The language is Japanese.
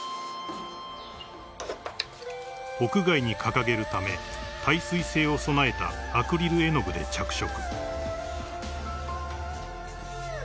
［屋外に掲げるため耐水性を備えたアクリル絵の具で着色］